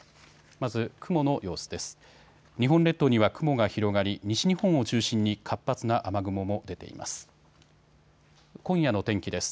まず雲の様子です。